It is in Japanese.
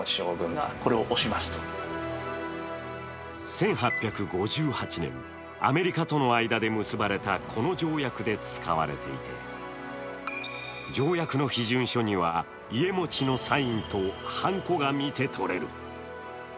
１８５８年、アメリカとの間で結ばれたこの条約で使われていて条約の批准書には家茂のサインとはんこが見てとれる。